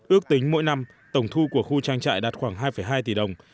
ước tính mỗi năm tổng thu của khu trang trại đạt khoảng hai hai tỷ đồng